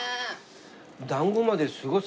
団子まですごい。